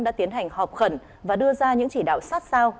đã tiến hành họp khẩn và đưa ra những chỉ đạo sát sao